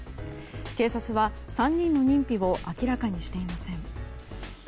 警察は３人の認否を明らかにしていません。